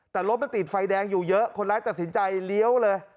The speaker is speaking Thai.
แต่รถมันติดไฟแดงอยู่เยอะคนร้ายตัดสินใจเลี้ยวเลย